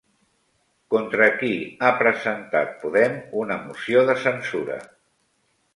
Contra qui ha presentat Podem una moció de censura?